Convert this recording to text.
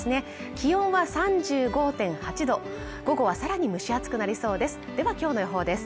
気温は２５．８度午後はさらに蒸し暑くなりそうですでは今日の予報です。